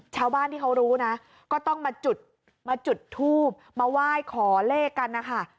ชาวบ้านที่เขารู้นะก็ต้องมาจุดมาจุดทูบมาไหว้ขอเลขกันนะคะ